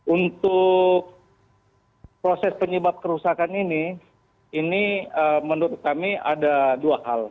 untuk proses penyebab kerusakan ini ini menurut kami ada dua hal